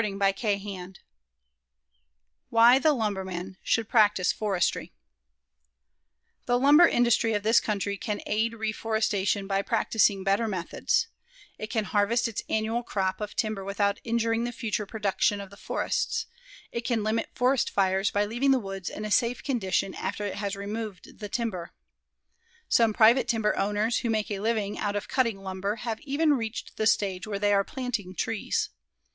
CHAPTER XV WHY THE LUMBERMAN SHOULD PRACTICE FORESTRY The lumber industry of this country can aid reforestation by practicing better methods. It can harvest its annual crop of timber without injuring the future production of the forests. It can limit forest fires by leaving the woods in a safe condition after it has removed the timber. Some private timber owners who make a living out of cutting lumber, have even reached the stage where they are planting trees.